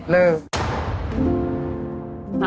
ลืม